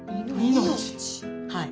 はい。